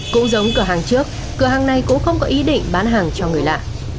cũng giống cửa hàng trước cửa hàng này cũng không có ý định bán hàng cho người lạ